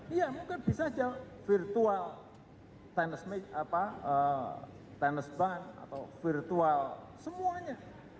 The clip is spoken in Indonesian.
iya mungkin bisa aja virtual tennis band atau virtual semuanya